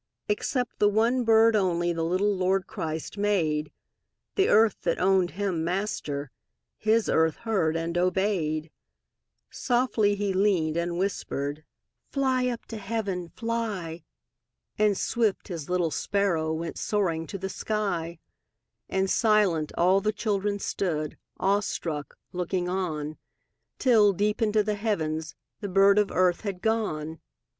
Except the one bird only The little Lord Christ made; The earth that owned Him Master, His earth heard and obeyed. Softly He leaned and whispered: "Fly up to Heaven! Fly!" And swift, His little sparrow Went soaring to the sky, And silent, all the children Stood, awestruck, looking on, Till, deep into the heavens, The bird of earth had gone.